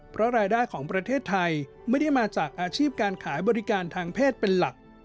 เพราะรายได้ของประเทศไทยไม่ได้มาจากอาชีพการขายบริการทางเพศเป็นหลัก